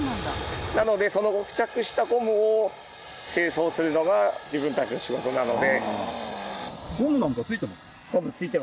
なのでその付着したゴムを清掃するのが自分たちの仕事なので。